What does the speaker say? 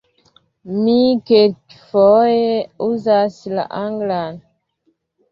Mi kelkfoje uzas la anglan.